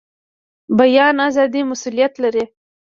بیان ازادي مسوولیت لري